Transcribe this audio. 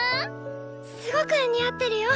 すごく似合ってるよ。